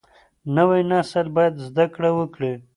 نوی نسل باید زده کړه وکړي.